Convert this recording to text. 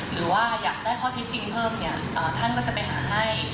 หรือว่าอยากได้ข้อทิศจริงเดี่ยวท่านก็จะไปหาให้